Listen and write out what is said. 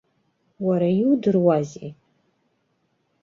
Уара иудыруазеи?